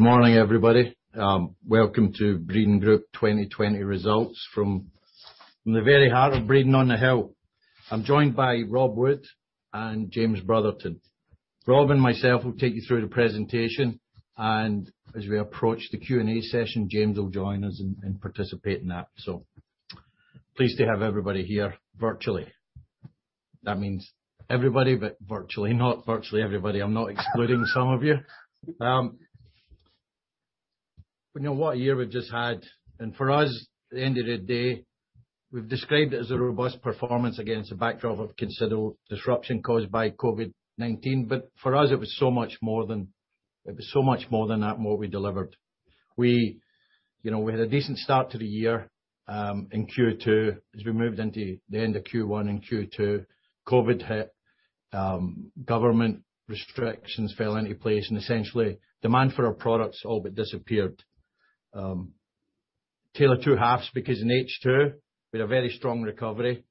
Good morning, everybody. Welcome to Breedon Group 2020 results from the very heart of Breedon on the Hill. I'm joined by Rob Wood and James Brotherton. Rob and myself will take you through the presentation, and as we approach the Q&A session, James will join us and participate in that. Pleased to have everybody here virtually. That means everybody, but virtually. Not virtually everybody. I'm not excluding some of you. You know what a year we've just had. For us, at the end of the day, we've described it as a robust performance against a backdrop of considerable disruption caused by COVID-19. For us, it was so much more than that, more we delivered. We had a decent start to the year, in Q2, as we moved into the end of Q1 and Q2, COVID-19 hit, government restrictions fell into place, and essentially demand for our products all but disappeared. Tale of two halves because in H2, we had a very strong recovery.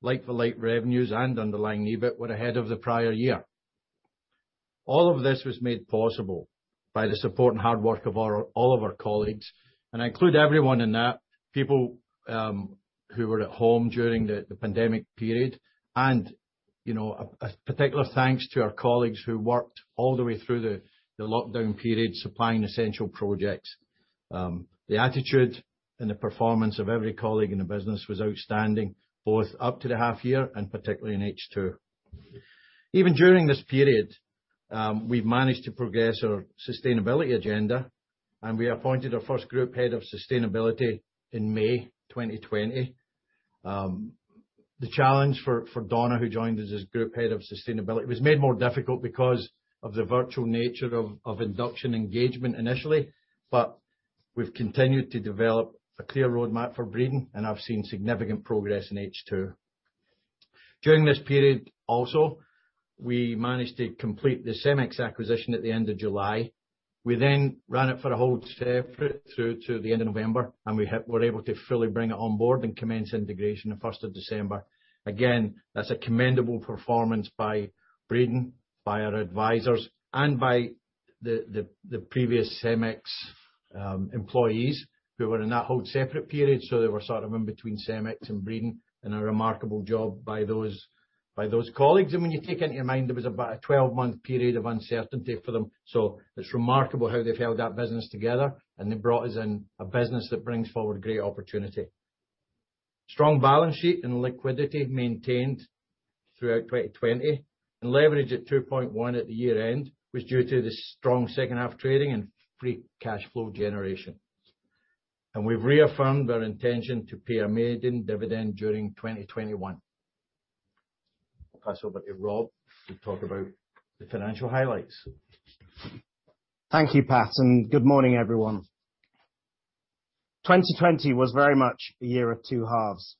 Like-for-like revenues and underlying EBIT were ahead of the prior year. All of this was made possible by the support and hard work of all of our colleagues, and I include everyone in that, people who were at home during the pandemic period, and a particular thanks to our colleagues who worked all the way through the lockdown period supplying essential projects. The attitude and the performance of every colleague in the business was outstanding, both up to the half year and particularly in H2. Even during this period, we've managed to progress our sustainability agenda, and we appointed our first Group Head of Sustainability in May 2020. The challenge for Donna, who joined us as Group Head of Sustainability, was made more difficult because of the virtual nature of induction engagement initially. We've continued to develop a clear roadmap for Breedon, and have seen significant progress in H2. During this period also, we managed to complete the CEMEX acquisition at the end of July. We then ran it for a hold separate through to the end of November, and we were able to fully bring it on board and commence integration the 1st of December. That's a commendable performance by Breedon, by our advisors, and by the previous CEMEX employees who were in that hold separate period, so they were sort of in between CEMEX and Breedon, and a remarkable job by those colleagues. When you take into your mind there was about a 12-month period of uncertainty for them. It's remarkable how they've held that business together, and they've brought us in a business that brings forward great opportunity. Strong balance sheet and liquidity maintained throughout 2020. Leverage at 2.1 at the year-end was due to the strong second half trading and free cash flow generation. We've reaffirmed our intention to pay a maiden dividend during 2021. Pass over to Rob to talk about the financial highlights. Thank you, Pat, and good morning, everyone. 2020 was very much a year of two halves.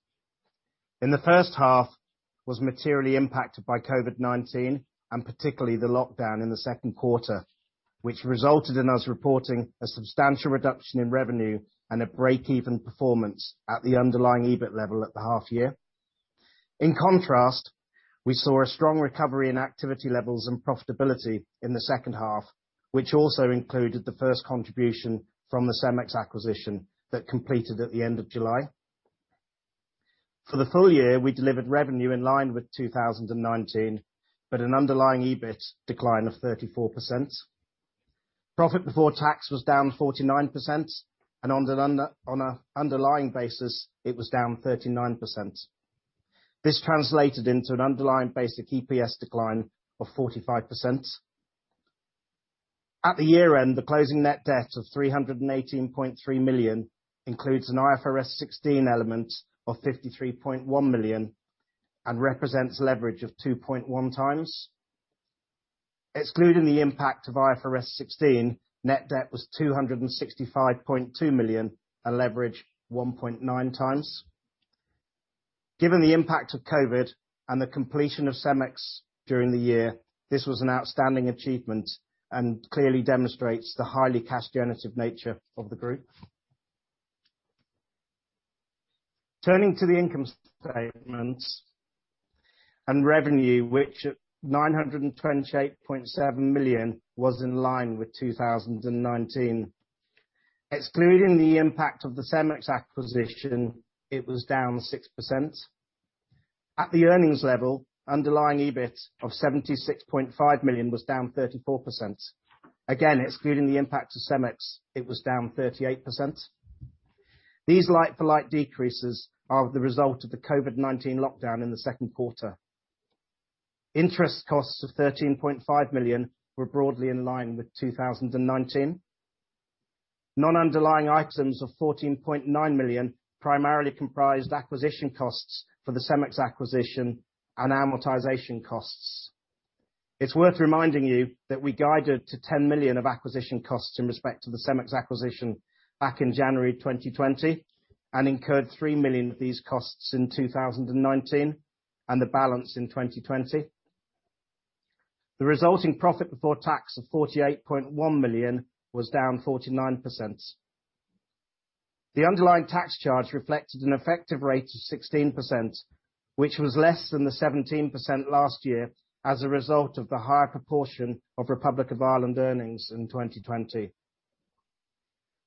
In the first half, it was materially impacted by COVID-19, and particularly the lockdown in the second quarter, which resulted in us reporting a substantial reduction in revenue and a break-even performance at the underlying EBIT level at the half year. In contrast, we saw a strong recovery in activity levels and profitability in the second half, which also included the first contribution from the CEMEX acquisition that completed at the end of July. For the full year, we delivered revenue in line with 2019, but an underlying EBIT decline of 34%. Profit before tax was down 49%, and on an underlying basis, it was down 39%. This translated into an underlying basic EPS decline of 45%. At the year-end, the closing net debt of 318.3 million includes an IFRS 16 element of 53.1 million and represents leverage of 2.1x. Excluding the impact of IFRS 16, net debt was GBP 265.2 million, a leverage 1.9x. Given the impact of COVID-19 and the completion of CEMEX during the year, this was an outstanding achievement and clearly demonstrates the highly cash generative nature of the group. Turning to the income statement and revenue, which at 928.7 million was in line with 2019. Excluding the impact of the CEMEX acquisition, it was down 6%. At the earnings level, underlying EBIT of 76.5 million was down 34%. Again, excluding the impact of CEMEX, it was down 38%. These like-for-like decreases are the result of the COVID-19 lockdown in the second quarter. Interest costs of 13.5 million were broadly in line with 2019. Non-underlying items of 14.9 million primarily comprised acquisition costs for the CEMEX acquisition and amortization costs. It's worth reminding you that we guided to 10 million of acquisition costs in respect to the CEMEX acquisition back in January 2020 and incurred 3 million of these costs in 2019 and the balance in 2020. The resulting profit before tax of 48.1 million was down 49%. The underlying tax charge reflected an effective rate of 16%, which was less than the 17% last year as a result of the higher proportion of Republic of Ireland earnings in 2020.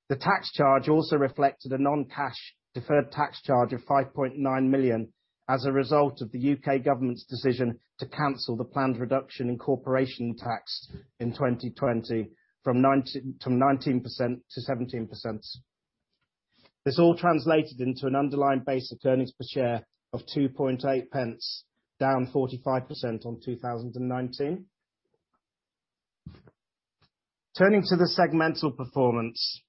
The tax charge also reflected a non-cash deferred tax charge of 5.9 million as a result of the U.K. government's decision to cancel the planned reduction in corporation tax in 2020 from 19% to 17%. This all translated into an underlying basic earnings per share of 0.028, down 45% on 2019. Turning to the segmental performance.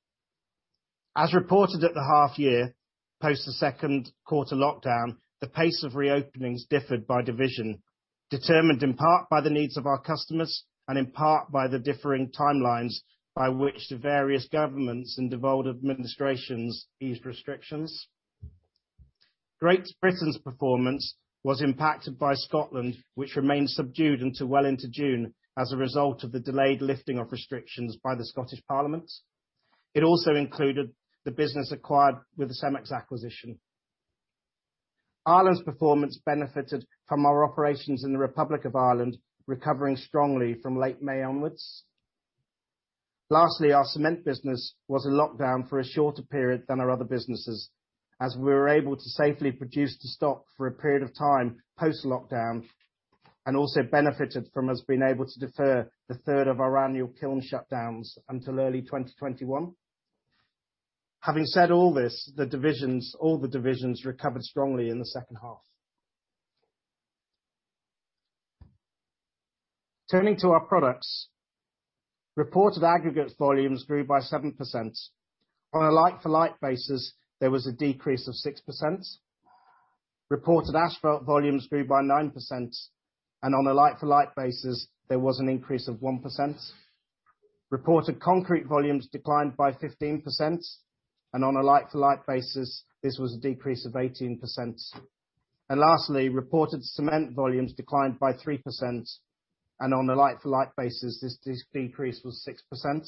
As reported at the half year, post the second quarter lockdown, the pace of reopenings differed by division, determined in part by the needs of our customers and in part by the differing timelines by which the various governments and devolved administrations eased restrictions. Great Britain's performance was impacted by Scotland, which remained subdued until well into June as a result of the delayed lifting of restrictions by the Scottish Parliament. It also included the business acquired with the CEMEX acquisition. Ireland's performance benefited from our operations in the Republic of Ireland recovering strongly from late May onwards. Lastly, our cement business was in lockdown for a shorter period than our other businesses, as we were able to safely produce to stock for a period of time post-lockdown, and also benefited from us being able to defer the third of our annual kiln shutdowns until early 2021. Having said all this, all the divisions recovered strongly in the second half. Turning to our products. Reported aggregates volumes grew by 7%. On a like-for-like basis, there was a decrease of 6%. Reported asphalt volumes grew by 9%, and on a like-for-like basis, there was an increase of 1%. Reported concrete volumes declined by 15%, and on a like-for-like basis, this was a decrease of 18%. Lastly, reported cement volumes declined by 3%, and on a like-for-like basis, this decrease was 6%.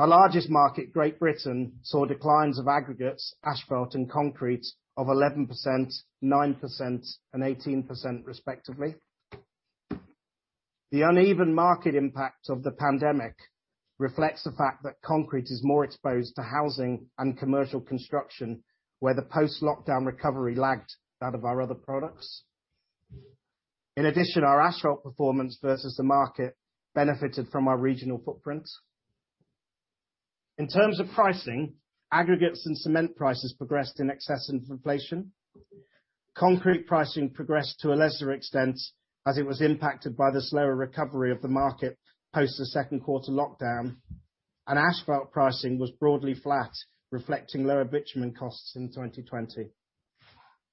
Our largest market, Great Britain, saw declines of aggregates, asphalt, and concrete of 11%, 9% and 18% respectively. The uneven market impact of the pandemic reflects the fact that concrete is more exposed to housing and commercial construction, where the post-lockdown recovery lagged that of our other products. In addition, our asphalt performance versus the market benefited from our regional footprint. In terms of pricing, aggregates and cement prices progressed in excess of inflation. Concrete pricing progressed to a lesser extent as it was impacted by the slower recovery of the market post the second quarter lockdown. Asphalt pricing was broadly flat, reflecting lower bitumen costs in 2020.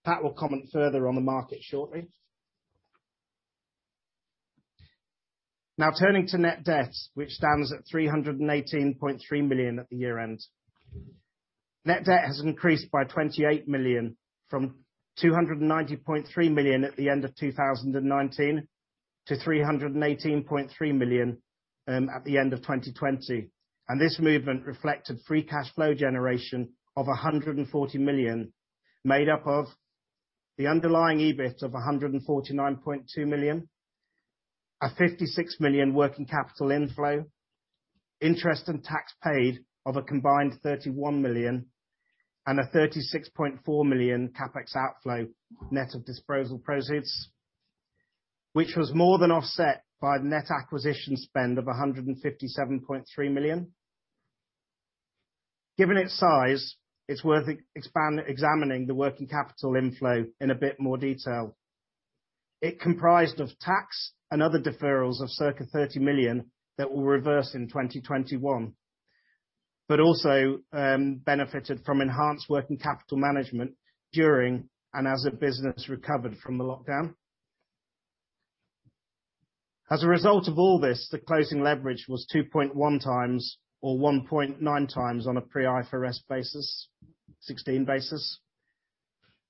Pat will comment further on the market shortly. Turning to net debt, which stands at 318.3 million at the year-end. Net debt has increased by 28 million from 290.3 million at the end of 2019 to 318.3 million at the end of 2020. This movement reflected free cash flow generation of 140 million, made up of the underlying EBIT of 149.2 million, a 56 million working capital inflow, interest and tax paid of a combined 31 million, and a 36.4 million CapEx outflow, net of disposal proceeds, which was more than offset by the net acquisition spend of 157.3 million. Given its size, it's worth examining the working capital inflow in a bit more detail. It comprised of tax and other deferrals of circa 30 million that will reverse in 2021, but also benefited from enhanced working capital management during and as the business recovered from the lockdown. As a result of all this, the closing leverage was 2.1x or 1.9x on a pre IFRS basis,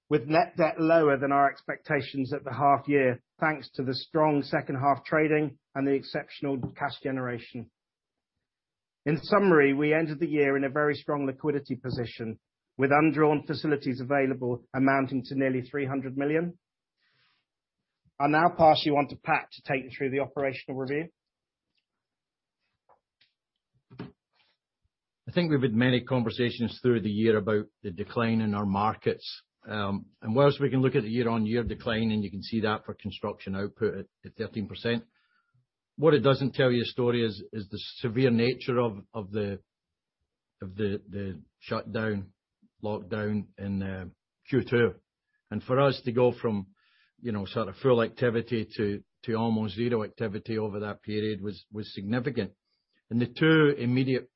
with net debt lower than our expectations at the half year, thanks to the strong second half trading and the exceptional cash generation. In summary, we ended the year in a very strong liquidity position, with undrawn facilities available amounting to nearly 300 million. I'll now pass you on to Pat to take you through the operational review. I think we've had many conversations through the year about the decline in our markets. Whilst we can look at the year-on-year decline, and you can see that for construction output at 13%, what it doesn't tell you a story is the severe nature of the shutdown, lockdown in Q2. For us to go from full activity to almost zero activity over that period was significant. The two immediate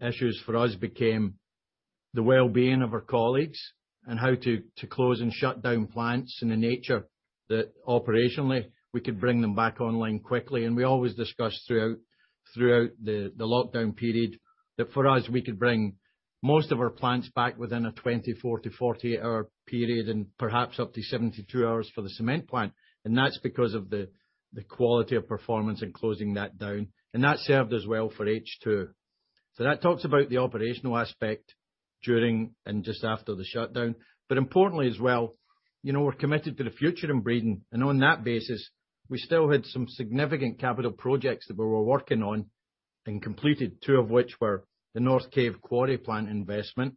issues for us became the well-being of our colleagues and how to close and shut down plants in a nature that operationally we could bring them back online quickly. We always discussed throughout the lockdown period that for us, we could bring most of our plants back within a 24-48-hour period and perhaps up to 72 hours for the cement plant. That's because of the quality of performance in closing that down. That served us well for H2. That talks about the operational aspect during and just after the shutdown. Importantly as well, we're committed to the future in Breedon, and on that basis, we still had some significant capital projects that we were working on and completed, two of which were the North Cave Quarry plant investment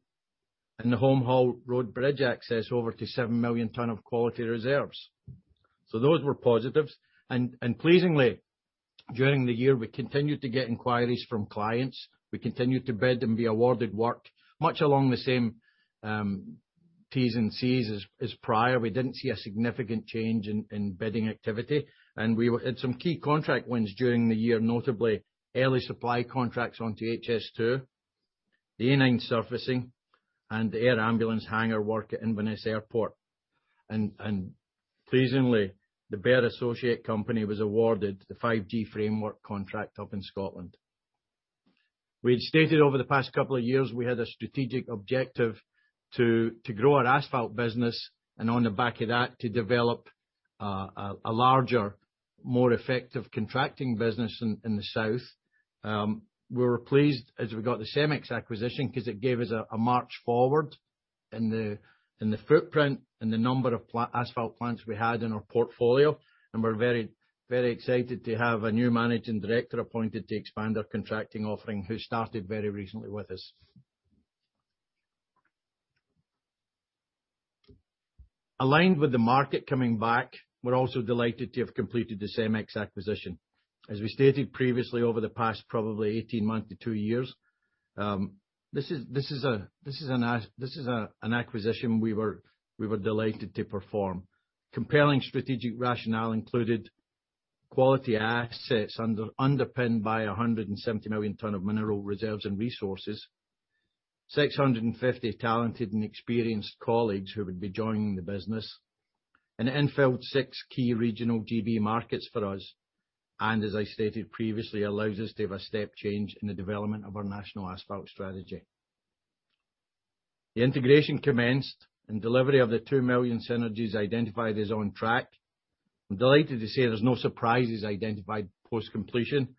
and the Holme Hall Road bridge access over to 7 million ton of quality reserves. Those were positives. Pleasingly, during the year, we continued to get inquiries from clients. We continued to bid and be awarded work, much along the same Ts and Cs as prior. We didn't see a significant change in bidding activity. We had some key contract wins during the year, notably early supply contracts onto HS2, the A9 surfacing, and the air ambulance hangar work at Inverness Airport. Pleasingly, the BEAR Associate company was awarded the 5G framework contract up in Scotland. We had stated over the past couple of years, we had a strategic objective to grow our asphalt business, and on the back of that, to develop a larger, more effective contracting business in the south. We were pleased as we got the CEMEX acquisition because it gave us a march forward in the footprint and the number of asphalt plants we had in our portfolio, and we are very excited to have a new managing director appointed to expand our contracting offering, who started very recently with us. Aligned with the market coming back, we are also delighted to have completed the CEMEX acquisition. As we stated previously, over the past probably 18 months to two years, this is an acquisition we were delighted to perform. Compelling strategic rationale included quality assets underpinned by 170 million tons of mineral reserves and resources, 650 talented and experienced colleagues who would be joining the business, and it infilled six key regional GB markets for us. As I stated previously, allows us to have a step change in the development of our national asphalt strategy. Delivery of the 2 million synergies identified is on track. I'm delighted to say there's no surprises identified post-completion.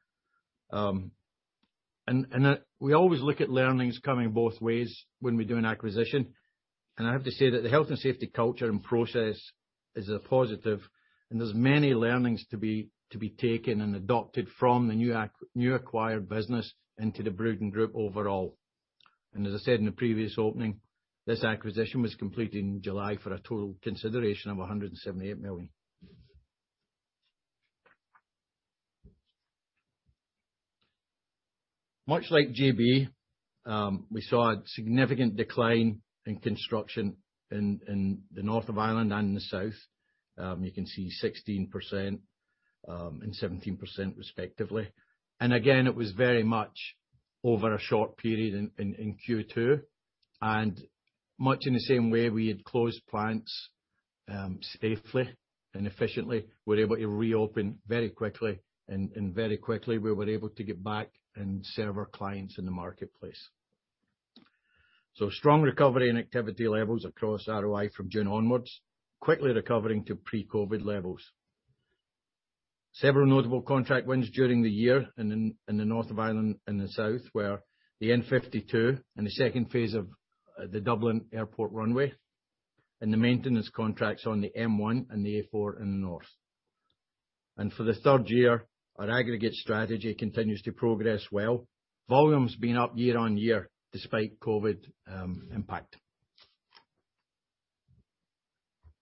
We always look at learnings coming both ways when we do an acquisition. I have to say that the health and safety culture and process is a positive, and there's many learnings to be taken and adopted from the new acquired business into the Breedon Group overall. As I said in the previous opening, this acquisition was completed in July for a total consideration of 178 million. Much like GB, we saw a significant decline in construction in Northern Ireland and in Ireland. You can see 16% and 17% respectively. Again, it was very much over a short period in Q2. Much in the same way we had closed plants safely and efficiently, we were able to reopen very quickly, and very quickly we were able to get back and serve our clients in the marketplace. Strong recovery in activity levels across ROI from June onwards, quickly recovering to pre-COVID-19 levels. Several notable contract wins during the year in Northern Ireland and Ireland were the N52 and the second phase of the Dublin Airport runway, and the maintenance contracts on the M1 and the A4 in the north. For the third year, our aggregate strategy continues to progress well. Volumes have been up year on year despite COVID impact.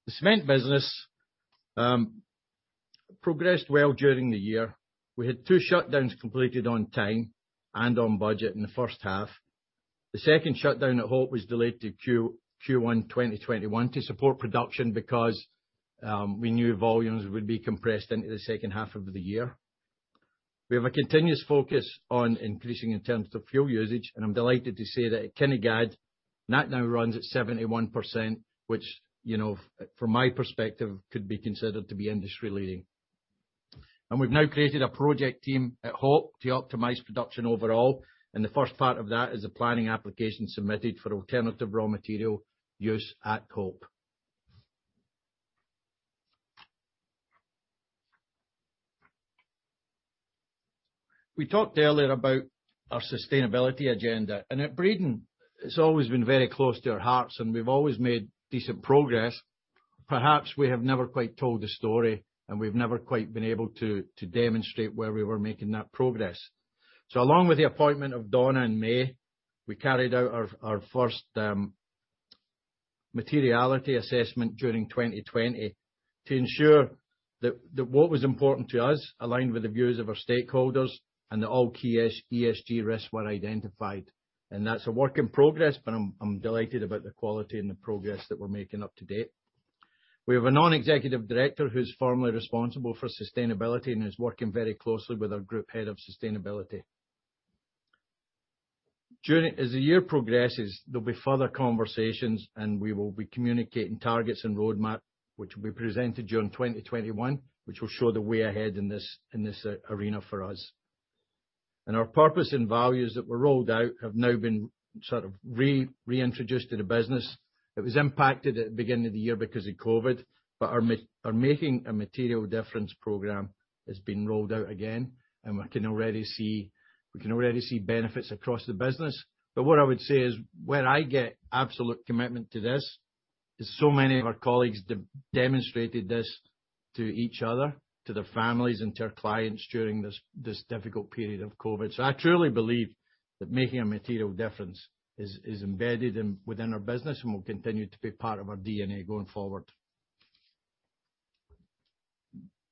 The cement business progressed well during the year. We had two shutdowns completed on time and on budget in the first half. The second shutdown at Hope was delayed to Q1 2021 to support production because we knew volumes would be compressed into the second half of the year. We have a continuous focus on increasing alternative fuel usage, and I'm delighted to say that at Kinnegad, that now runs at 71%, which, from my perspective, could be considered to be industry-leading. We've now created a project team at Hope to optimize production overall, and the first part of that is a planning application submitted for alternative raw material use at Hope. We talked earlier about our sustainability agenda, and at Breedon, it's always been very close to our hearts, and we've always made decent progress. Perhaps we have never quite told the story, and we've never quite been able to demonstrate where we were making that progress. Along with the appointment of Donna in May, we carried out our first materiality assessment during 2020 to ensure that what was important to us aligned with the views of our stakeholders and that all key ESG risks were identified. That's a work in progress, but I'm delighted about the quality and the progress that we're making up to date. We have a non-executive director who's formally responsible for sustainability and who's working very closely with our Group Head of Sustainability. As the year progresses, there'll be further conversations and we will be communicating targets and roadmap, which will be presented during 2021, which will show the way ahead in this arena for us. Our purpose and values that were rolled out have now been sort of reintroduced to the business. It was impacted at the beginning of the year because of COVID-19, but our Making a Material Difference program has been rolled out again, and we can already see benefits across the business. What I would say is, where I get absolute commitment to this is so many of our colleagues demonstrated this to each other, to their families, and to our clients during this difficult period of COVID-19. I truly believe that Making a Material Difference is embedded within our business and will continue to be part of our DNA going forward.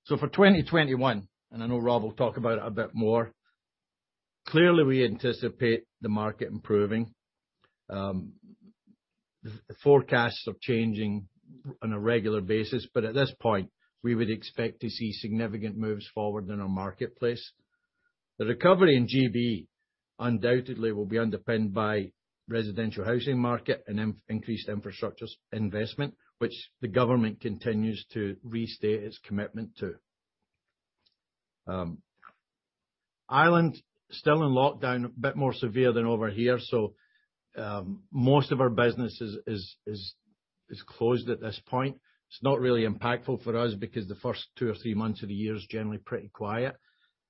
For 2021, and I know Rob will talk about it a bit more, clearly, we anticipate the market improving. Forecasts are changing on a regular basis, at this point, we would expect to see significant moves forward in our marketplace. The recovery in GB undoubtedly will be underpinned by residential housing market and increased infrastructure investment, which the government continues to restate its commitment to. Ireland, still in lockdown, a bit more severe than over here. Most of our business is closed at this point. It's not really impactful for us because the first two or three months of the year is generally pretty quiet.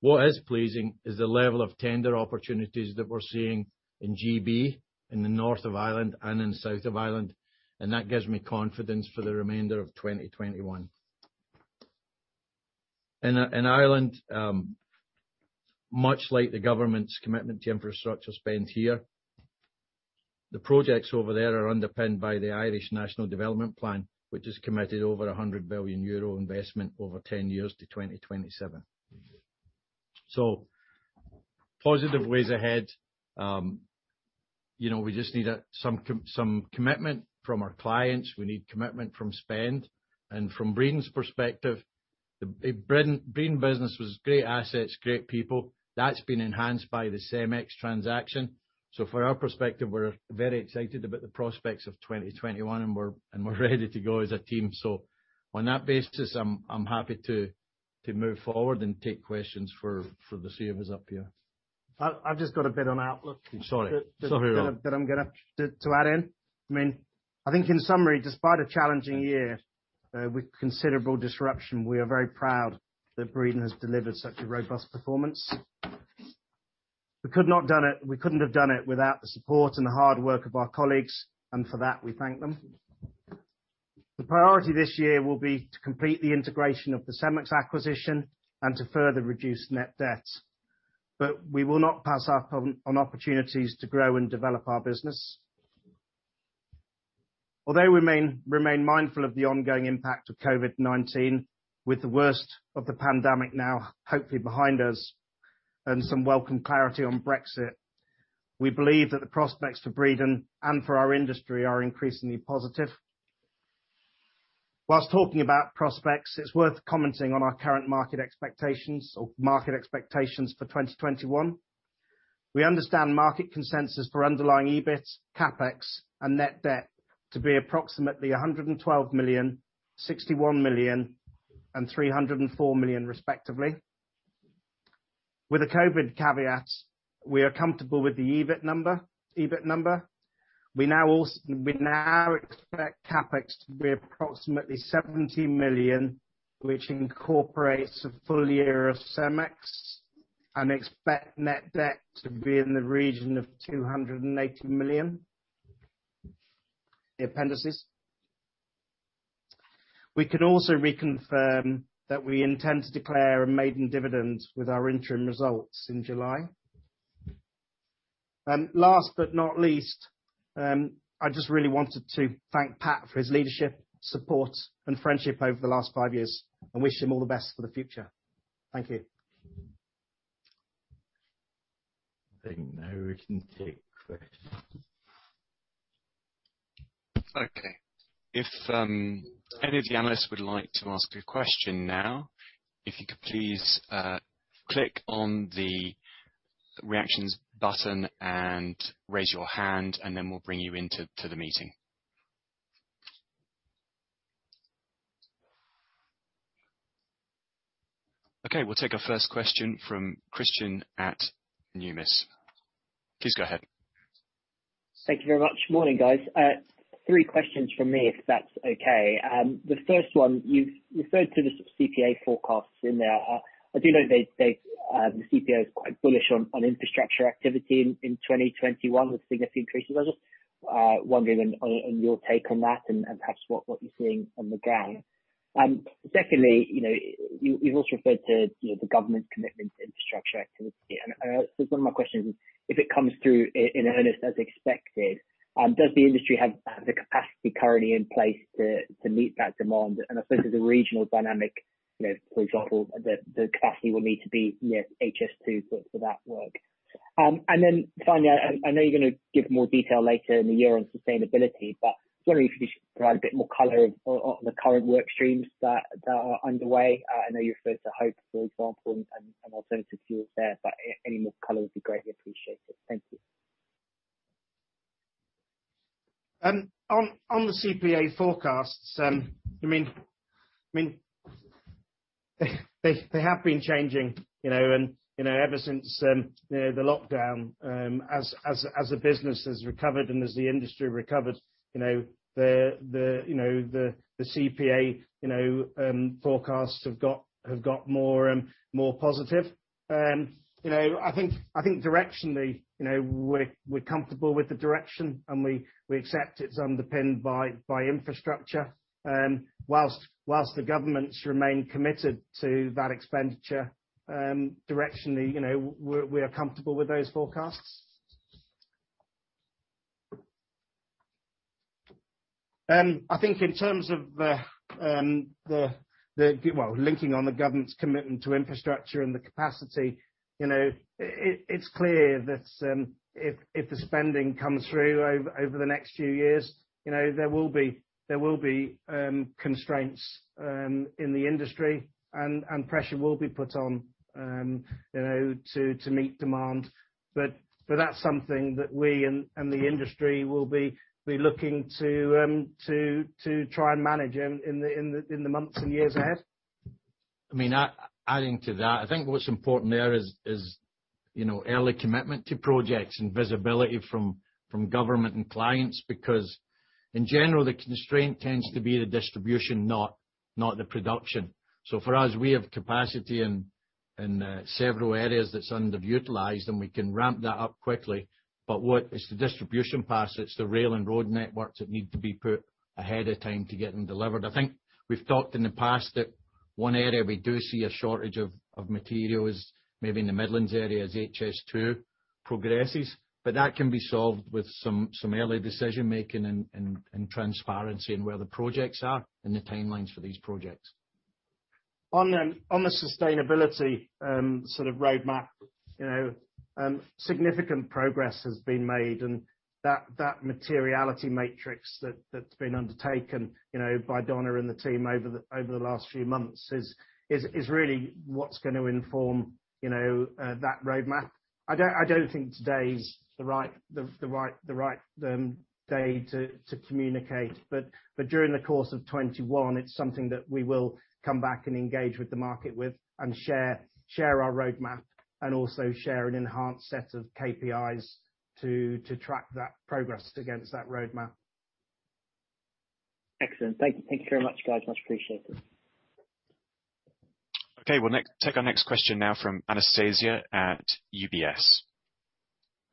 What is pleasing is the level of tender opportunities that we're seeing in GB, in the north of Ireland and in the south of Ireland, and that gives me confidence for the remainder of 2021. In Ireland, much like the government's commitment to infrastructure spend here, the projects over there are underpinned by the Irish National Development Plan, which has committed over 100 billion euro investment over 10 years to 2027. Positive ways ahead. We just need some commitment from our clients. We need commitment from spend. From Breedon's perspective, Breedon business was great assets, great people. That's been enhanced by the CEMEX transaction. From our perspective, we're very excited about the prospects of 2021, and we're ready to go as a team. On that basis, I'm happy to move forward and take questions for the three of us up here. I've just got a bit on outlook. Sorry. Sorry, Rob I'm gonna add in. I think in summary, despite a challenging year with considerable disruption, we are very proud that Breedon has delivered such a robust performance. We couldn't have done it without the support and the hard work of our colleagues, and for that, we thank them. We will not pass up on opportunities to grow and develop our business. We remain mindful of the ongoing impact of COVID-19, with the worst of the pandemic now hopefully behind us and some welcome clarity on Brexit, we believe that the prospects for Breedon and for our industry are increasingly positive. Talking about prospects, it's worth commenting on our current market expectations or market expectations for 2021. We understand market consensus for underlying EBIT, CapEx and net debt to be approximately 112 million, 61 million and 304 million respectively. With the COVID caveat, we are comfortable with the EBIT number. We now expect CapEx to be approximately 70 million, which incorporates a full year of CEMEX, and expect net debt to be in the region of 280 million. The appendices. We could also reconfirm that we intend to declare a maiden dividend with our interim results in July. Last but not least, I just really wanted to thank Pat for his leadership, support and friendship over the last five years, and wish him all the best for the future. Thank you. I think now we can take questions. Okay. If any of the analysts would like to ask a question now, if you could please click on the reactions button and raise your hand, and then we'll bring you into to the meeting. Okay, we'll take our first question from Christen at Numis. Please go ahead. Thank you very much. Morning, guys. Three questions from me, if that's okay. The first one, you've referred to the CPA forecasts in there. I do know the CPA is quite bullish on infrastructure activity in 2021 with significant increases. I was just wondering on your take on that and perhaps what you're seeing on the ground. Secondly, you've also referred to the government's commitment to infrastructure activity. I guess one of my questions is, if it comes through in earnest as expected, does the industry have the capacity currently in place to meet that demand? I suppose there's a regional dynamic, for example, the capacity will need to be HS2 put for that work. Finally, I know you're going to give more detail later in the year on sustainability, but just wondering if you could just provide a bit more color of the current work streams that are underway. I know you referred to Holme, for example, and alternative fuels there, but any more color would be greatly appreciated. Thank you. On the CPA forecasts, they have been changing ever since the lockdown. As the business has recovered and as the industry recovered, the CPA forecasts have got more positive. We're comfortable with the direction, and we accept it's underpinned by infrastructure. Whilst the governments remain committed to that expenditure, directionally, we are comfortable with those forecasts. I think in terms of linking on the government's commitment to infrastructure and the capacity, it's clear that if the spending comes through over the next few years, there will be constraints in the industry and pressure will be put on to meet demand. That's something that we and the industry will be looking to try and manage in the months and years ahead. Adding to that, I think what's important there is early commitment to projects and visibility from government and clients, because in general, the constraint tends to be the distribution, not the production. For us, we have capacity in several areas that's underutilized, and we can ramp that up quickly. It's the distribution parts, it's the rail and road networks that need to be put ahead of time to get them delivered. I think we've talked in the past that one area we do see a shortage of material is maybe in the Midlands area as HS2 progresses, that can be solved with some early decision-making and transparency in where the projects are and the timelines for these projects. On the sustainability sort of roadmap, significant progress has been made and that materiality matrix that's been undertaken by Donna and the team over the last few months is really what's going to inform that roadmap. I don't think today's the right day to communicate, but during the course of 2021, it's something that we will come back and engage with the market with and share our roadmap, and also share an enhanced set of KPIs to track that progress against that roadmap. Excellent. Thank you very much, guys. Much appreciated. Okay, we'll take our next question now from Anastasia at UBS.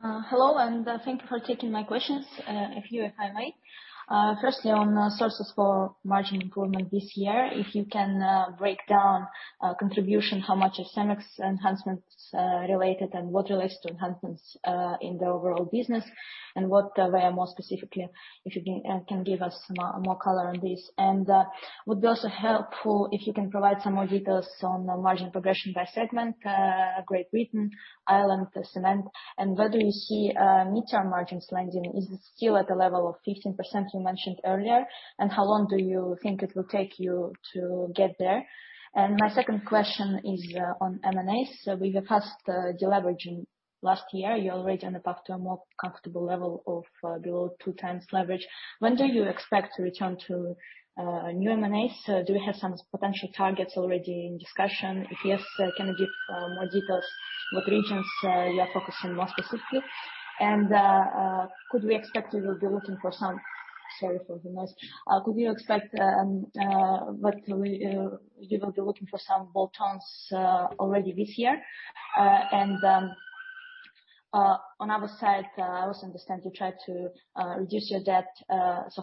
Hello. Thank you for taking my questions. A few, if I may. Firstly, on the sources for margin improvement this year, if you can break down contribution, how much of CEMEX enhancements related and what relates to enhancements in the overall business, and what were more specifically, if you can give us more color on this. It would be also helpful if you can provide some more details on the margin progression by segment, Great Britain, Ireland Cement, and whether you see mid-term margins landing. Is it still at the level of 15% you mentioned earlier, and how long do you think it will take you to get there? My second question is on M&As. With the past deleveraging last year, you're already on the path to a more comfortable level of below two times leverage. When do you expect to return to new M&As? Do you have some potential targets already in discussion? If yes, can you give more details what regions you are focusing more specifically? Sorry for the noise. Could we expect that you will be looking for some bolt-ons already this year? On other side, I also understand you try to reduce your debt.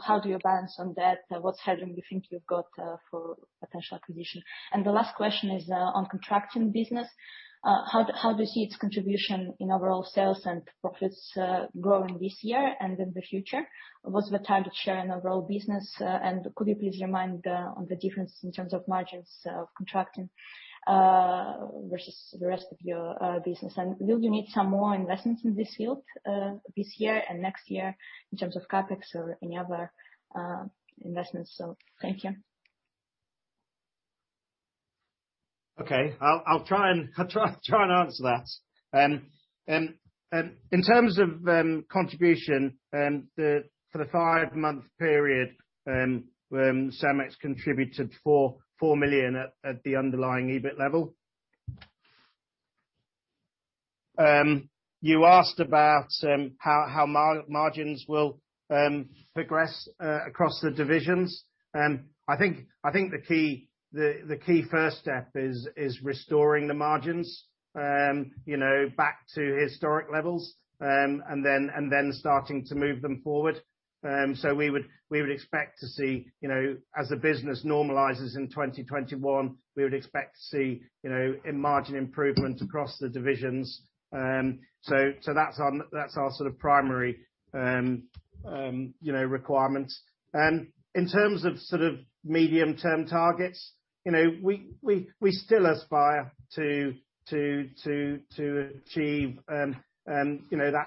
How do you balance on debt? What headroom do you think you've got for potential acquisition? The last question is on contracting business. How do you see its contribution in overall sales and profits growing this year and in the future? What's the target share in overall business? Could you please remind on the difference in terms of margins of contracting versus the rest of your business? Will you need some more investments in this field this year and next year in terms of CapEx or any other investments? Thank you. Okay. I'll try and answer that. In terms of contribution, for the five-month period, CEMEX contributed 4 million at the underlying EBIT level. You asked about how margins will progress across the divisions. I think the key first step is restoring the margins back to historic levels, and then starting to move them forward. We would expect to see, as the business normalizes in 2021, we would expect to see a margin improvement across the divisions. That's our sort of primary requirements. In terms of medium-term targets, we still aspire to achieve that 15%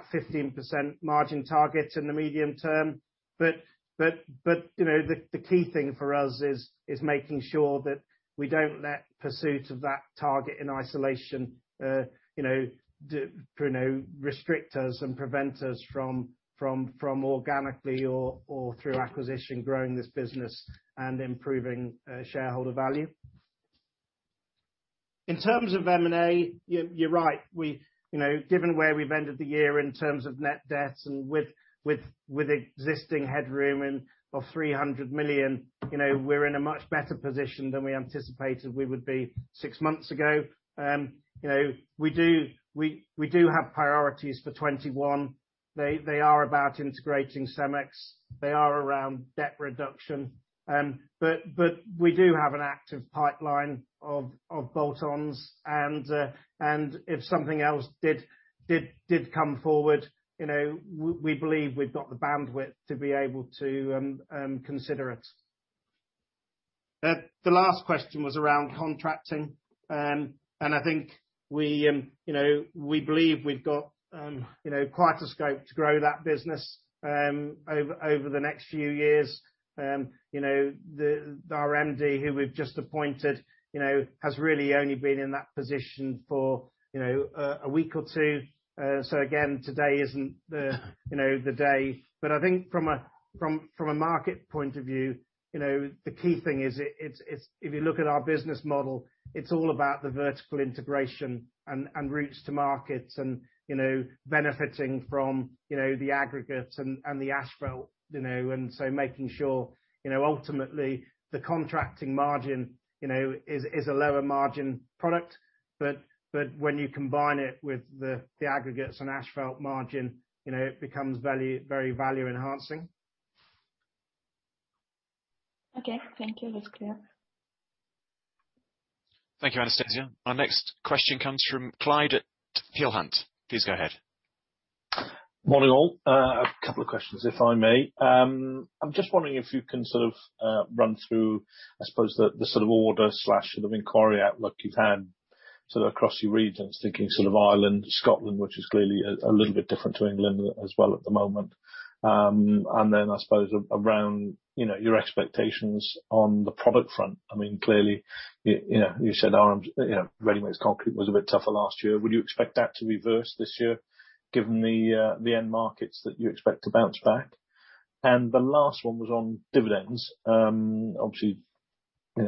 margin target in the medium term. The key thing for us is making sure that we don't let pursuit of that target in isolation restrict us and prevent us from organically or through acquisition, growing this business and improving shareholder value. In terms of M&A, you're right. Given where we've ended the year in terms of net debt and with existing headroom of 300 million, we're in a much better position than we anticipated we would be six months ago. We do have priorities for 2021. They are about integrating CEMEX. They are around debt reduction. We do have an active pipeline of bolt-ons and if something else did come forward, we believe we've got the bandwidth to be able to consider it. The last question was around contracting. I think we believe we've got quite a scope to grow that business over the next few years. Our MD, who we've just appointed, has really only been in that position for a week or two, so again, today isn't the day. I think from a market point of view, the key thing is if you look at our business model, it's all about the vertical integration and routes to markets and benefiting from the aggregates and the asphalt, making sure, ultimately the contracting margin is a lower margin product, but when you combine it with the aggregates and asphalt margin, it becomes very value enhancing. Okay. Thank you. That's clear. Thank you, Anastasia. Our next question comes from Clyde at Peel Hunt. Please go ahead. Morning, all. A couple of questions, if I may. I'm just wondering if you can run through, I suppose, the order/inquiry outlook you've had across your regions, thinking Ireland, Scotland, which is clearly a little bit different to England as well at the moment. Then, I suppose around your expectations on the product front. Clearly, you said ready-mix concrete was a bit tougher last year. Would you expect that to reverse this year given the end markets that you expect to bounce back? The last one was on dividends. Obviously,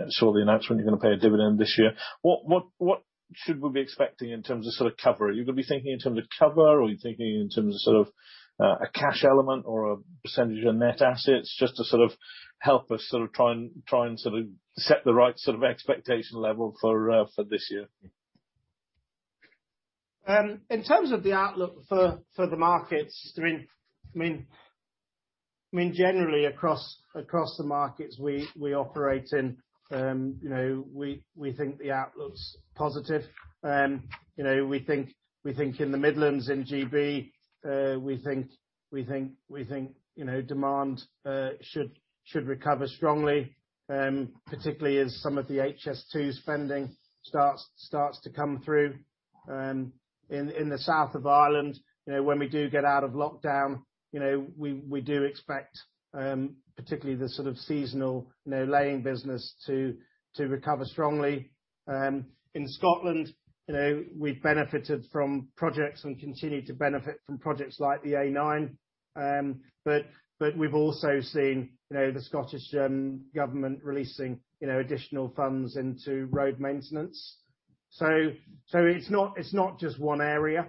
saw the announcement you're going to pay a dividend this year. What should we be expecting in terms of cover? Are you going to be thinking in terms of cover, or are you thinking in terms of sort of a cash element or a percentage of net assets? Just to sort of help us try and sort of set the right expectation level for this year. In terms of the outlook for the markets, generally across the markets we operate in, we think the outlook's positive. We think in the Midlands in GB, we think demand should recover strongly, particularly as some of the HS2 spending starts to come through. In the south of Ireland, when we do get out of lockdown, we do expect, particularly the sort of seasonal laying business to recover strongly. In Scotland, we've benefited from projects and continue to benefit from projects like the A9, but we've also seen the Scottish government releasing additional funds into road maintenance. It's not just one area.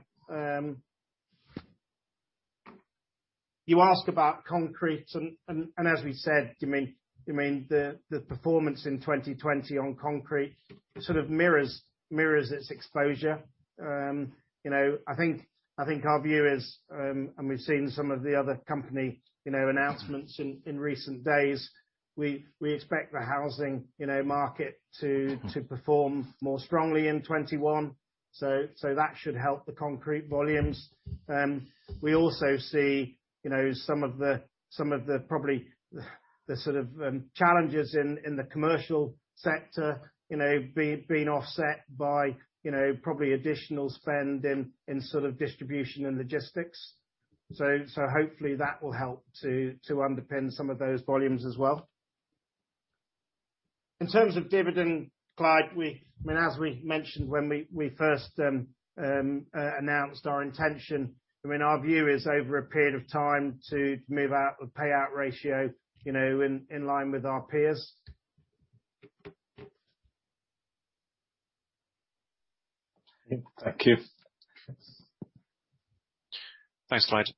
You ask about concrete, and as we said, the performance in 2020 on concrete sort of mirrors its exposure. I think our view is, and we've seen some of the other company announcements in recent days, we expect the housing market to perform more strongly in 2021. That should help the concrete volumes. We also see some of the probably, the sort of challenges in the commercial sector being offset by probably additional spend in distribution and logistics. Hopefully, that will help to underpin some of those volumes as well. In terms of dividend, Clyde, as we mentioned when we first announced our intention, our view is over a period of time to move our payout ratio in line with our peers. Thank you. Thanks, Clyde.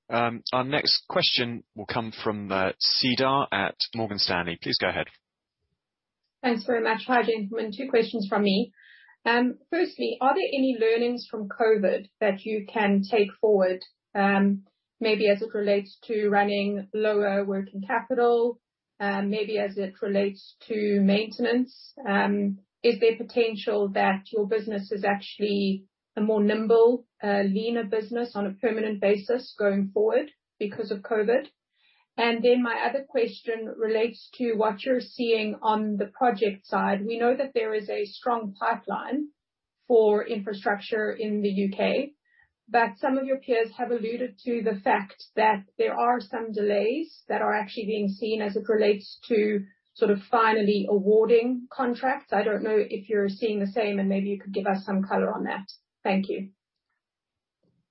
Our next question will come from Cedar at Morgan Stanley. Please go ahead. Thanks very much. Hi, gentlemen. Two questions from me. Firstly, are there any learnings from COVID that you can take forward, maybe as it relates to running lower working capital, maybe as it relates to maintenance? Is there potential that your business is actually a more nimble, leaner business on a permanent basis going forward because of COVID? My other question relates to what you're seeing on the project side. We know that there is a strong pipeline for infrastructure in the U.K. Some of your peers have alluded to the fact that there are some delays that are actually being seen as it relates to finally awarding contracts. I don't know if you're seeing the same, and maybe you could give us some color on that. Thank you.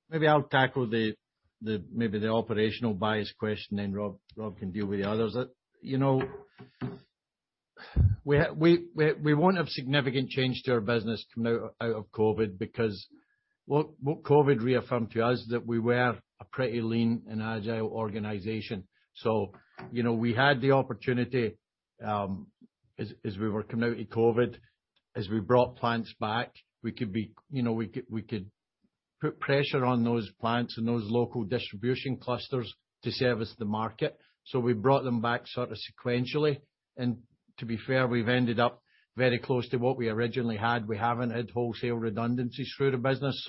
Maybe I'll tackle the operational bias question, then Rob can deal with the others. We won't have significant change to our business coming out of COVID, because what COVID reaffirmed to us, is that we were a pretty lean and agile organization. We had the opportunity, as we were coming out of COVID, as we brought plants back, we could put pressure on those plants and those local distribution clusters to service the market. We brought them back sequentially. To be fair, we've ended up very close to what we originally had. We haven't had wholesale redundancies through the business.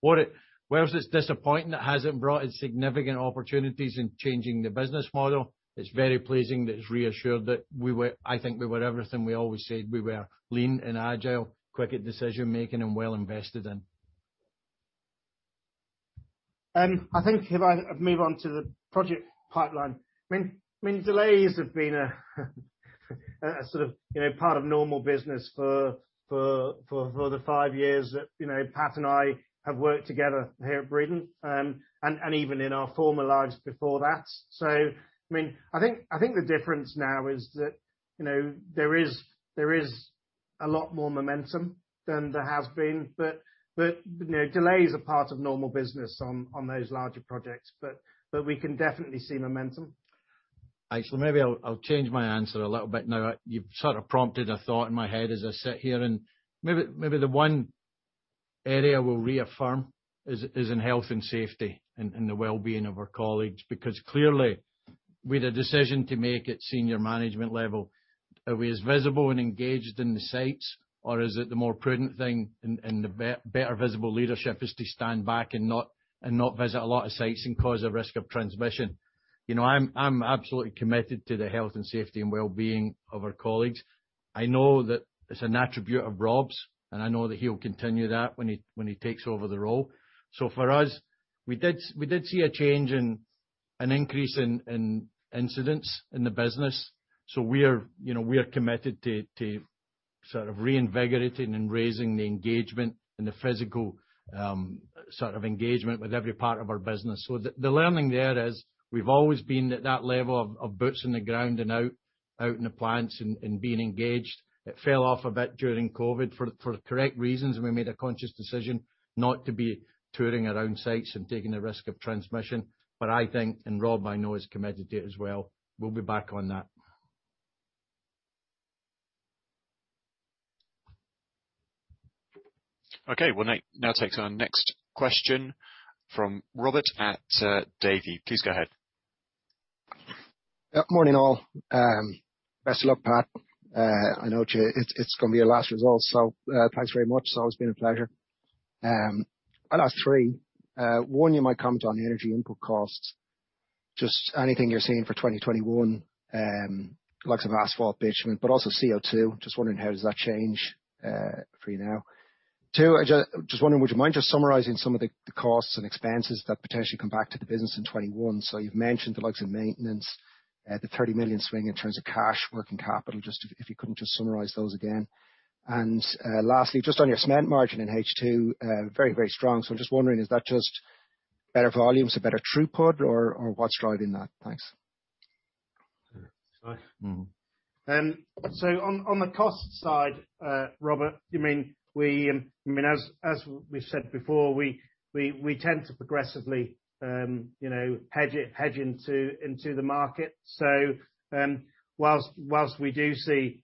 Whereas it's disappointing it hasn't brought us significant opportunities in changing the business model, it's very pleasing that it's reassured that we were, I think we were everything we always said we were: lean and agile, quick at decision-making and well invested in. I think if I move on to the project pipeline. Delays have been part of normal business for the five years that Pat and I have worked together here at Breedon, and even in our former lives before that. I think the difference now is that there is a lot more momentum than there has been. Delays are part of normal business on those larger projects. We can definitely see momentum. Actually, maybe I'll change my answer a little bit now. You've prompted a thought in my head as I sit here, and maybe the one area we'll reaffirm is in health and safety and the well-being of our colleagues. Because clearly, we had a decision to make at senior management level. Are we as visible and engaged in the sites, or is it the more prudent thing, and the better visible leadership is to stand back and not visit a lot of sites and cause a risk of transmission? I'm absolutely committed to the health and safety and well-being of our colleagues. I know that it's an attribute of Rob's, and I know that he'll continue that when he takes over the role. For us, we did see a change in an increase in incidents in the business. We are committed to reinvigorating and raising the engagement and the physical engagement with every part of our business. The learning there is, we've always been at that level of boots on the ground and out in the plants and being engaged. It fell off a bit during COVID for correct reasons, and we made a conscious decision not to be touring around sites and taking the risk of transmission. I think, and Rob I know is committed to it as well, we'll be back on that. Okay. We'll now take our next question from Robert at Davy. Please go ahead. Yep. Morning, all. Best of luck, Pat. I know it's going to be your last result, so thanks very much. It's always been a pleasure. I'll ask three. One, you might comment on the energy input costs. Just anything you're seeing for 2021, likes of asphalt, bitumen, but also CO2. Just wondering, how does that change for you now? Two, I'm just wondering, would you mind just summarizing some of the costs and expenses that potentially come back to the business in 2021? You've mentioned the likes of maintenance, the 30 million swing in terms of cash, working capital, just if you couldn't just summarize those again. Lastly, just on your cement margin in H2, very strong. I'm just wondering, is that just better volumes, a better throughput or what's driving that? Thanks. All right. On the cost side, Robert, as we've said before, we tend to progressively hedge into the market. Whilst we do see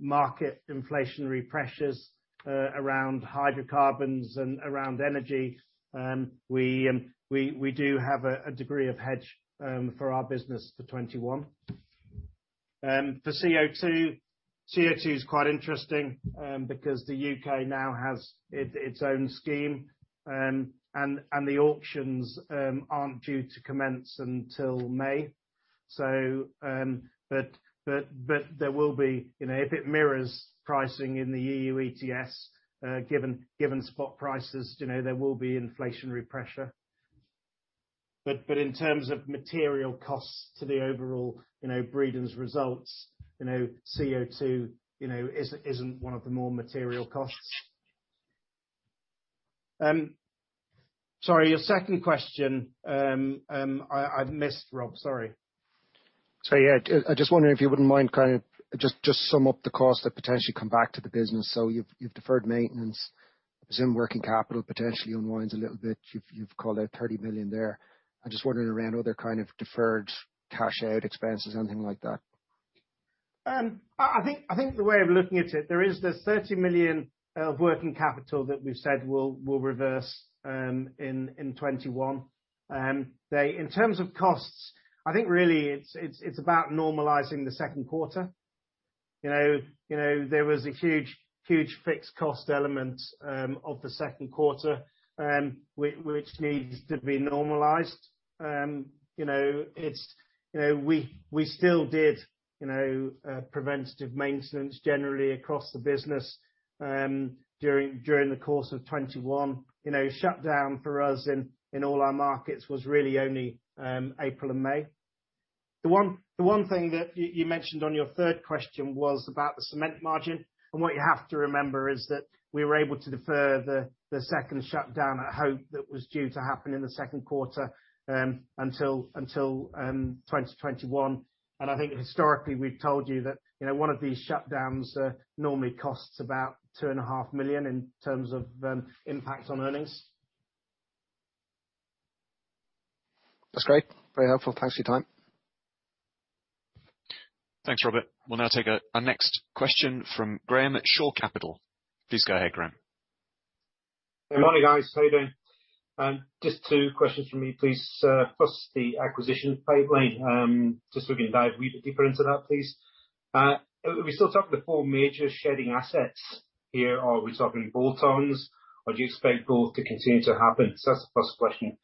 market inflationary pressures around hydrocarbons and around energy, we do have a degree of hedge for our business for 2021. For CO2 is quite interesting because the U.K. now has its own scheme. The auctions aren't due to commence until May. There will be, if it mirrors pricing in the EU ETS, given spot prices, there will be inflationary pressure. In terms of material costs to the overall Breedon's results, CO2 isn't one of the more material costs. Sorry, your second question, I've missed, Rob. Sorry. Sorry. I'm just wondering if you wouldn't mind just sum up the cost that potentially come back to the business. You've deferred maintenance. I presume working capital potentially unwinds a little bit. You've called out 30 million there. I'm just wondering around other deferred cash out expenses, anything like that. I think the way of looking at it, there is this 30 million of working capital that we've said will reverse in 2021. In terms of costs, I think really it's about normalizing the second quarter. There was a huge fixed cost element of the second quarter which needs to be normalized. We still did preventative maintenance generally across the business during the course of 2021. Shutdown for us in all our markets was really only April and May. The one thing that you mentioned on your third question was about the cement margin. What you have to remember is that we were able to defer the second shutdown at Hope that was due to happen in the second quarter until 2021. I think historically we've told you that one of these shutdowns normally costs about 2.5 million in terms of impact on earnings. That's great. Very helpful. Thanks for your time. Thanks, Robert. We'll now take our next question from Graeme at Shore Capital. Please go ahead, Graeme. Good morning, guys. How you doing? Just two questions from me, please. First, the acquisition pipeline. Just if we can dive deeper into that, please. Are we still talking the four major shedding assets here? Are we talking bolt-ons, or do you expect both to continue to happen? That's the first question.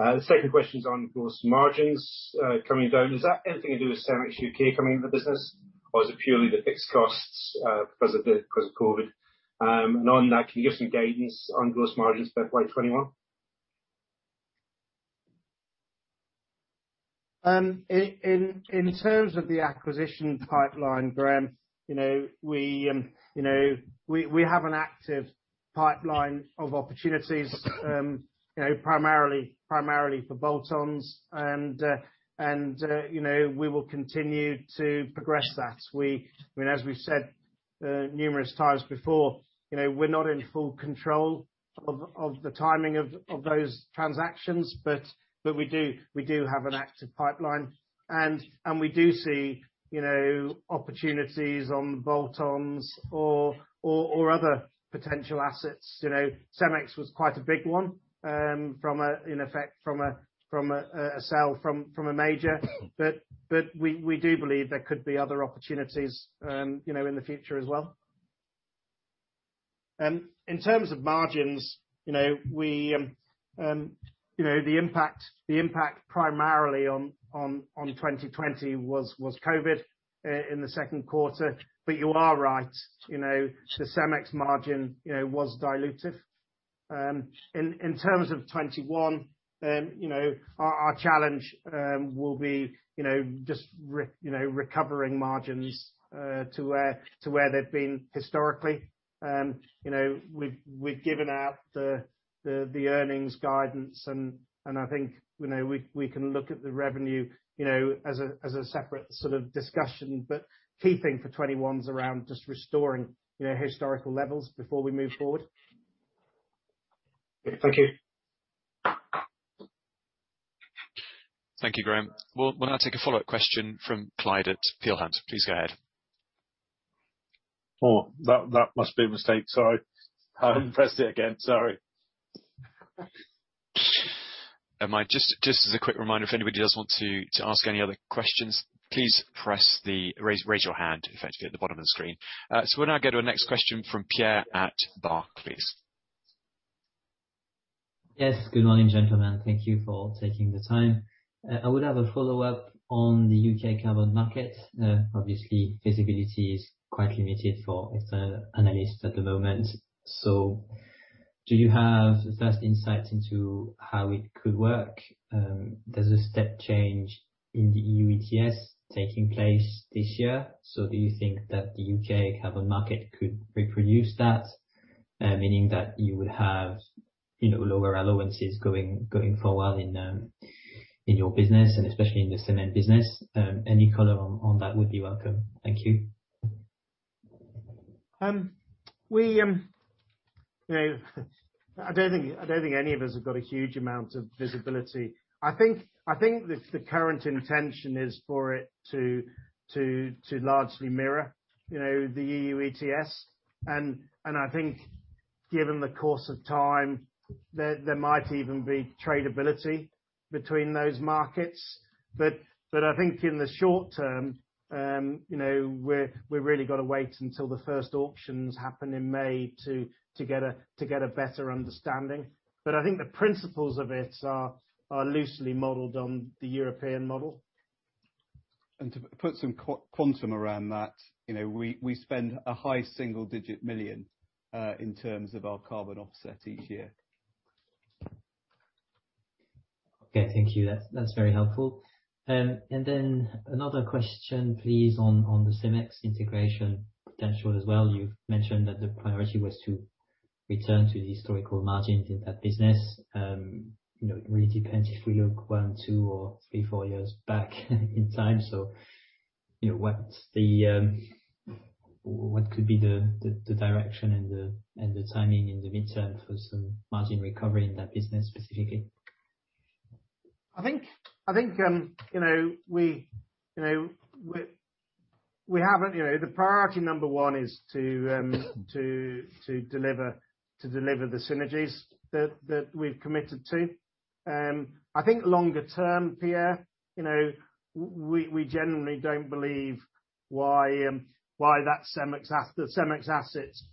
The second question is on gross margins coming down. Is that anything to do with CEMEX coming into the business, or is it purely the fixed costs because of COVID-19? On that, can you give some guidance on gross margins for FY 2021? In terms of the acquisition pipeline, Graeme, we have an active pipeline of opportunities primarily for bolt-ons and we will continue to progress that. As we said numerous times before, we're not in full control of the timing of those transactions, but we do have an active pipeline and we do see opportunities on bolt-ons or other potential assets. CEMEX was quite a big one in effect from a sale from a major, but we do believe there could be other opportunities in the future as well. In terms of margins, the impact primarily on 2020 was COVID in the second quarter, but you are right, the CEMEX margin was dilutive. In terms of 2021, our challenge will be just recovering margins to where they've been historically. We've given out the earnings guidance and I think we can look at the revenue as a separate sort of discussion. Key thing for 2021 is around just restoring historical levels before we move forward. Thank you. Thank you, Graeme. We'll now take a follow-up question from Clyde at Peel Hunt. Please go ahead. Oh, that must be a mistake. Sorry. I pressed it again, sorry. Just as a quick reminder, if anybody does want to ask any other questions, please raise your hand, effectively, at the bottom of the screen. We'll now go to our next question from Pierre at Barclays. Yes. Good morning, gentlemen. Thank you for taking the time. I would have a follow-up on the U.K. carbon market. Obviously, visibility is quite limited for external analysts at the moment. Do you have first insights into how it could work? There's a step change in the EU ETS taking place this year, so do you think that the U.K. carbon market could reproduce that, meaning that you would have lower allowances going forward in your business and especially in the cement business? Any color on that would be welcome. Thank you. I don't think any of us have got a huge amount of visibility. I think the current intention is for it to largely mirror the EU ETS. I think given the course of time, there might even be tradability between those markets. I think in the short term, we've really got to wait until the first auctions happen in May to get a better understanding. I think the principles of it are loosely modeled on the European model. To put some quantum around that, we spend a high single-digit million in terms of our carbon offset each year. Okay. Thank you. That is very helpful. Another question, please, on the CEMEX integration potential as well. You have mentioned that the priority was to return to the historical margins in that business. It really depends if we look one, two, or three, four years back in time. What could be the direction and the timing in the midterm for some margin recovery in that business specifically? I think the priority number one is to deliver the synergies that we've committed to. I think longer term, Pierre, we generally don't believe why the CEMEX assets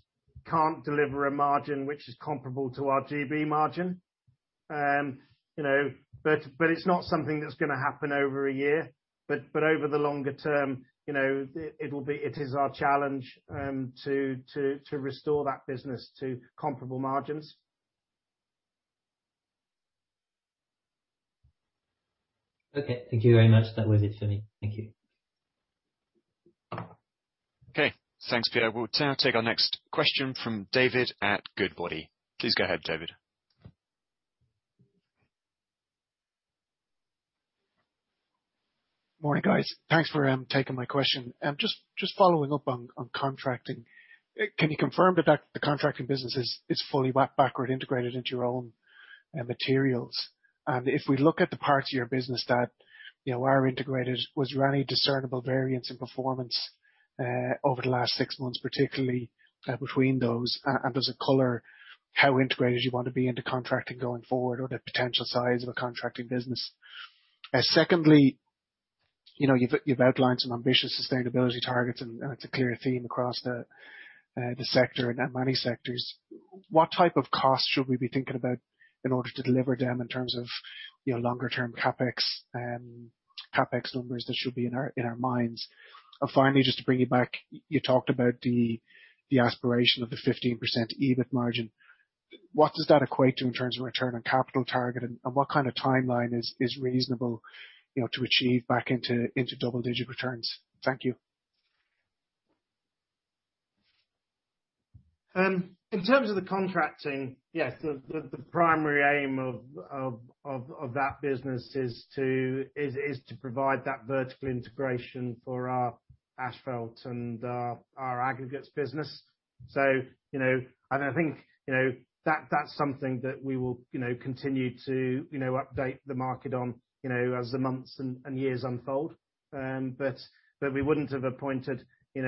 can't deliver a margin which is comparable to our GB margin. It's not something that's going to happen over a year. Over the longer term, it is our challenge to restore that business to comparable margins. Okay. Thank you very much. That was it for me. Thank you. Okay. Thanks, Pierre. We'll now take our next question from David at Goodbody. Please go ahead, David. Morning, guys. Thanks for taking my question. Just following up on contracting, can you confirm that the contracting business is fully backward integrated into your own materials? If we look at the parts of your business that are integrated, was there any discernible variance in performance over the last six months, particularly between those, and does it color how integrated you want to be into contracting going forward or the potential size of a contracting business? Secondly, you've outlined some ambitious sustainability targets, and it's a clear theme across the sector and many sectors. What type of costs should we be thinking about in order to deliver them in terms of longer-term CapEx numbers that should be in our minds? Finally, just to bring you back, you talked about the aspiration of the 15% EBIT margin. What does that equate to in terms of return on capital target, and what kind of timeline is reasonable to achieve back into double-digit returns? Thank you. In terms of the contracting, yes, the primary aim of that business is to provide that vertical integration for our asphalt and our aggregates business. I think that's something that we will continue to update the market on as the months and years unfold. We wouldn't have appointed an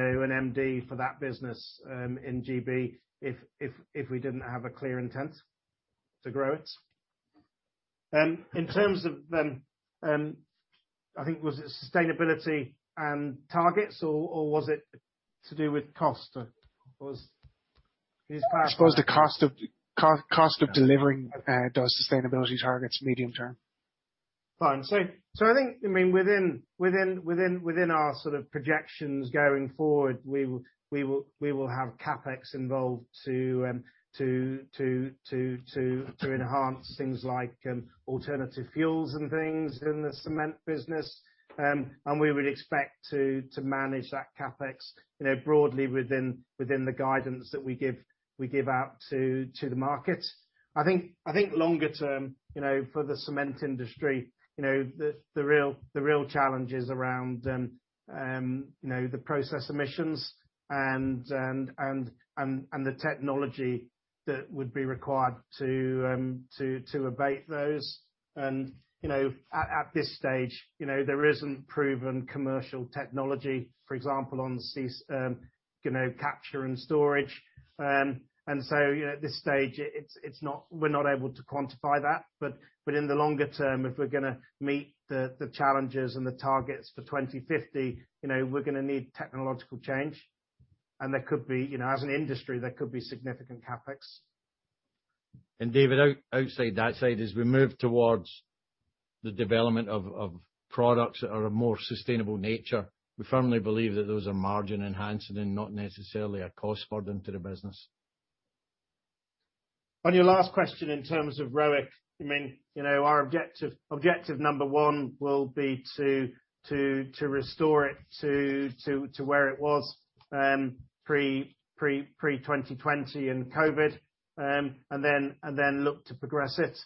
MD for that business in GB if we didn't have a clear intent to grow it. In terms of, I think, was it sustainability and targets or was it to do with cost? I suppose the cost of delivering those sustainability targets medium-term. Fine. I think within our sort of projections going forward, we will have CapEx involved to enhance things like alternative fuels and things in the cement business. We would expect to manage that CapEx broadly within the guidance that we give out to the market. I think longer term, for the cement industry, the real challenge is around the process emissions and the technology that would be required to abate those. At this stage there isn't proven commercial technology, for example, on capture and storage. At this stage we're not able to quantify that. In the longer term, if we're going to meet the challenges and the targets for 2050, we're going to need technological change and as an industry there could be significant CapEx. David, outside that side, as we move towards the development of products that are of more sustainable nature, we firmly believe that those are margin enhancing and not necessarily a cost burden to the business. On your last question in terms of ROIC, our objective number one will be to restore it to where it was pre-2020 and COVID, and then look to progress it.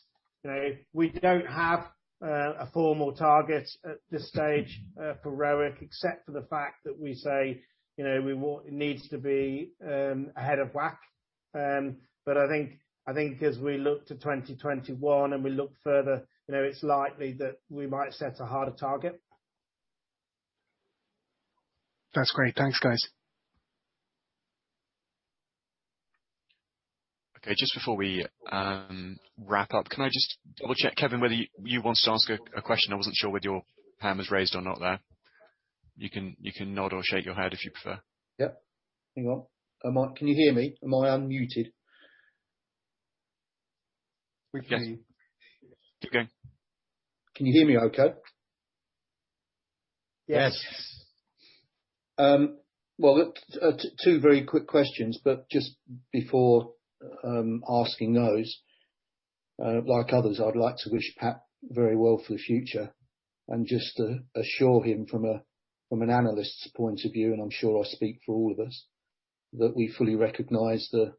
We don't have a formal target at this stage for ROIC except for the fact that we say it needs to be ahead of WACC. I think as we look to 2021 and we look further, it's likely that we might set a harder target. That's great. Thanks, guys. Okay. Just before we wrap up, can I just double-check, Kevin, whether you want to ask a question? I wasn't sure whether your hand was raised or not there. You can nod or shake your head if you prefer. Yep. Hang on. Can you hear me? Am I unmuted? We can. Keep going. Can you hear me okay? Yes. Well, two very quick questions. Just before asking those, like others, I'd like to wish Pat very well for the future and just to assure him from an analyst's point of view, and I'm sure I speak for all of us, that we fully recognize the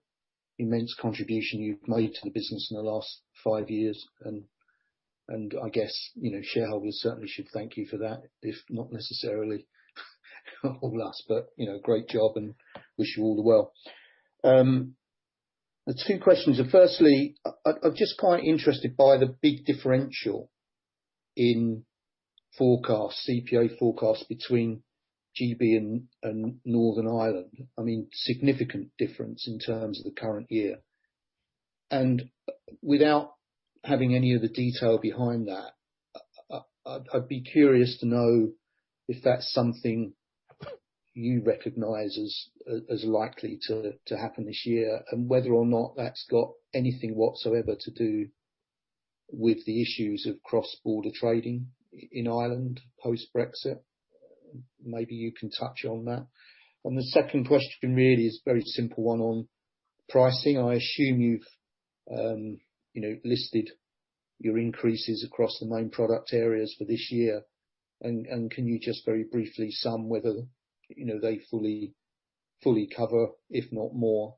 immense contribution you've made to the business in the last five years, and I guess shareholders certainly should thank you for that, if not necessarily all of us, but great job and wish you all the well. The two questions are, firstly, I'm just quite interested by the big differential in forecasts, CPA forecasts between GB and Northern Ireland. Significant difference in terms of the current year. Without having any of the detail behind that, I'd be curious to know if that's something you recognize as likely to happen this year and whether or not that's got anything whatsoever to do with the issues of cross-border trading in Ireland post-Brexit. Maybe you can touch on that. The second question really is very simple, one on pricing. I assume you've listed your increases across the main product areas for this year, and can you just very briefly sum whether they fully cover, if not more,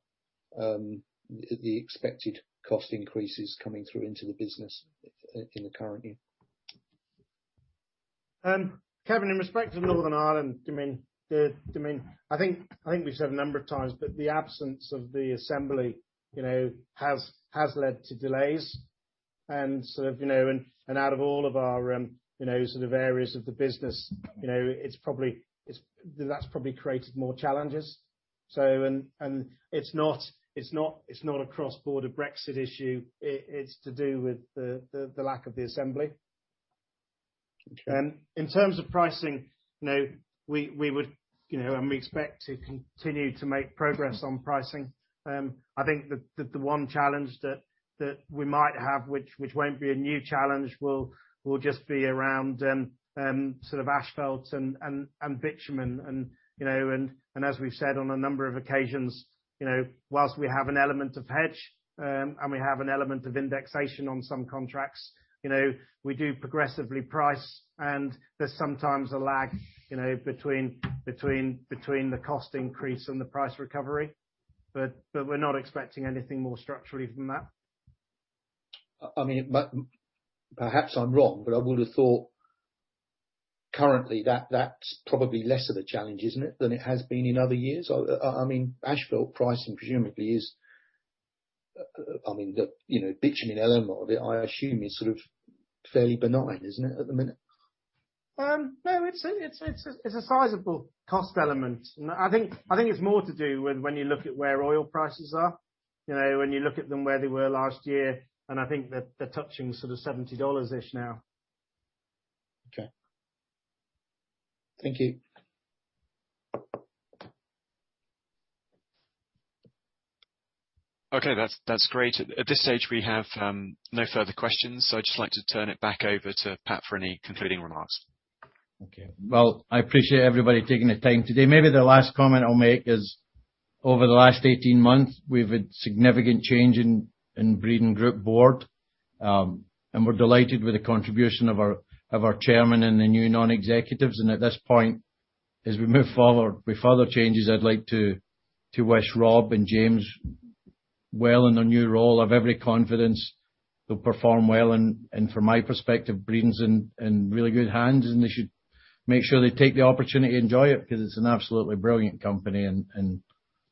the expected cost increases coming through into the business in the current year? Kevin, in respect to Northern Ireland, I think we've said a number of times that the absence of the Assembly has led to delays and out of all of our areas of the business, that's probably created more challenges. It's not a cross-border Brexit issue, it's to do with the lack of the Assembly. Okay. In terms of pricing, we expect to continue to make progress on pricing. I think the one challenge that we might have, which won't be a new challenge, will just be around asphalts and bitumen. As we've said on a number of occasions, whilst we have an element of hedge, and we have an element of indexation on some contracts, we do progressively price, and there's sometimes a lag between the cost increase and the price recovery. We're not expecting anything more structurally than that. Perhaps I'm wrong, but I would've thought currently that's probably less of a challenge, isn't it, than it has been in other years? Asphalt pricing presumably, Bitumen element of it, I assume, is sort of fairly benign, isn't it, at the minute? No, it's a sizable cost element. I think it's more to do with when you look at where oil prices are, when you look at them where they were last year, and I think they're touching sort of $70-ish now. Okay. Thank you. Okay. That's great. At this stage we have no further questions. I'd just like to turn it back over to Pat for any concluding remarks. Okay. Well, I appreciate everybody taking the time today. Maybe the last comment I'll make is over the last 18 months, we've had significant change in Breedon Group board, and we're delighted with the contribution of our chairman and the new non-executives. At this point, as we move forward with further changes, I'd like to wish Rob and James well in their new role. I've every confidence they'll perform well, and from my perspective, Breedon's in really good hands, and they should make sure they take the opportunity and enjoy it, because it's an absolutely brilliant company, and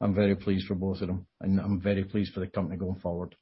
I'm very pleased for both of them. I'm very pleased for the company going forward.